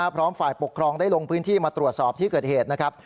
พร้อมฝ่ายปกครองได้ลงพื้นที่มาตรวจสอบที่เกิดเหตุนะครับ